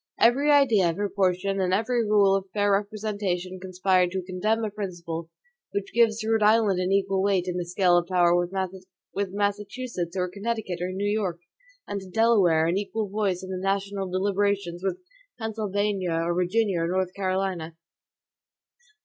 Every idea of proportion and every rule of fair representation conspire to condemn a principle, which gives to Rhode Island an equal weight in the scale of power with Massachusetts, or Connecticut, or New York; and to Delaware an equal voice in the national deliberations with Pennsylvania, or Virginia, or North Carolina.